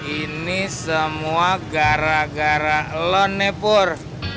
ini semua gara gara lo nih pur